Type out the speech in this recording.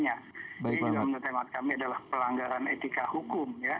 ini yang menurut ahmad kami adalah pelanggaran etika hukum ya